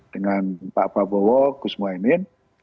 dengan pak babowo gus muaymin